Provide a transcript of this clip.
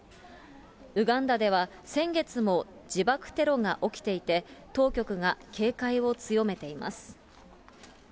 ウガンダでは先月も自爆テロが起きていて、当局が警戒を強めています。